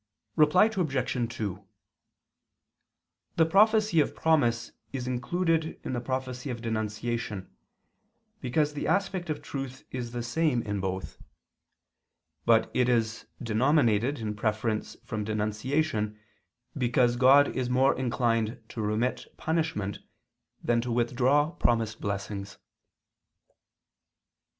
Reply Obj. 2: The prophecy of promise is included in the prophecy of denunciation, because the aspect of truth is the same in both. But it is denominated in preference from denunciation, because God is more inclined to remit punishment than to withdraw promised blessings.